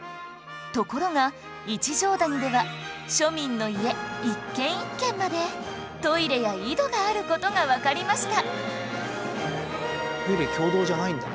ところが一乗谷では庶民の家一軒一軒までトイレや井戸がある事がわかりました